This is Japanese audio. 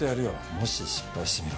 もし失敗してみろ。